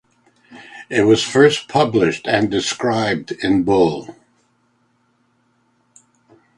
It was first published and described in Bull.